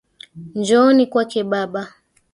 Njooni kwake baba